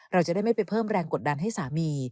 เราจะได้ไม่ไปเพิ่มแรงกดดันให้สามี